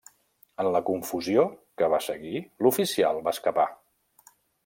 En la confusió que va seguir, l'oficial va escapar.